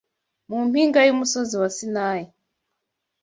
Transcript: Mu mpinga y’umusozi wa Sinayi